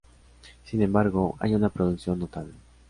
Sin embargo hay una producción notable.